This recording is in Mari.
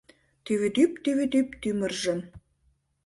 Тӱвӱдӱп-тӱвӱдӱп тӱмыржым